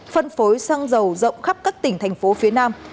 phân phối xăng dầu rộng khắp các tỉnh thành phố phía nam